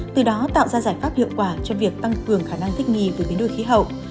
từ đó tạo ra giải pháp hiệu quả cho việc tăng cường khả năng thích nghi với biến đổi khí hậu